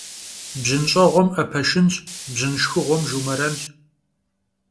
Bjın ş'eğuem 'epe şşınş, bjın şşxığuem jjumerenş.